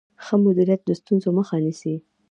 ښه مدیریت د ستونزو مخه نیسي.